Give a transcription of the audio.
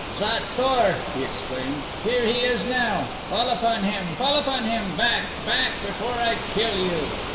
"Xot tor!" he exclaimed: "Here he is now. Fall upon him! Fall upon him! Back! Back before I kill you."